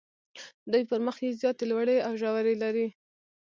دوی پر مخ یې زیاتې لوړې او ژورې لري.